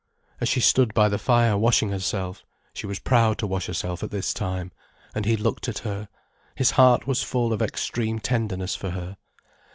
As she stood by the fire washing herself—she was proud to wash herself at this time—and he looked at her, his heart was full of extreme tenderness for her.